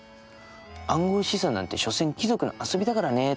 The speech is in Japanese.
「暗号資産なんてしょせん貴族の遊びだからねぇ」